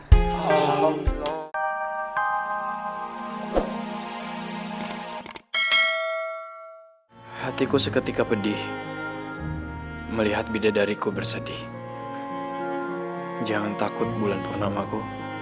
hai allah allah hatiku seketika pedih melihat bidadariku bersedih jangan takut bulan purnamaku